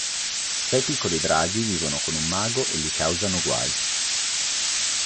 Sei piccoli draghi vivono con un mago e gli causano guai.